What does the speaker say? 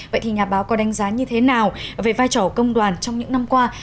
vậy thì nhà báo có đánh giá như thế nào về vai trò công đoàn trong những năm qua